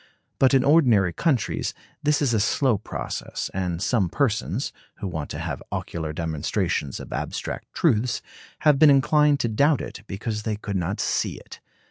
But in ordinary countries this is a slow process, and some persons, who want to have ocular demonstrations of abstract truths, have been inclined to doubt it because they could not see it.